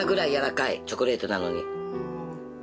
チョコレートなのに。